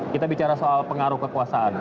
kita bicara soal pengaruh kekuasaan